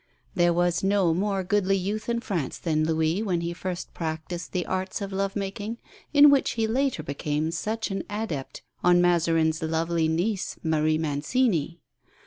There was no more goodly youth in France than Louis when he first practised the arts of love making, in which he later became such an adept, on Mazarin's lovely niece, Marie Mancini.